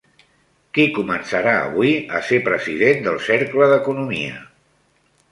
Qui començarà avui a ser president del Cercle d'Economia?